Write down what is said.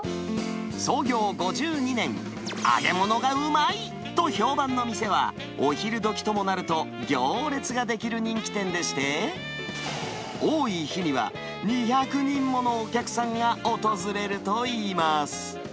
創業５２年、揚げ物がうまいと評判の店は、お昼どきともなると行列が出来る人気店でして、多い日には２００人ものお客さんが訪れるといいます。